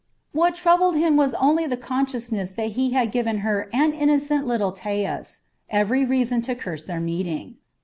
What troubled him was only the consciousness that he had given her and innocent little Taus every reason to curse their meeting.